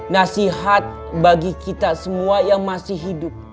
nasihat bagi kita semua yang masih hidup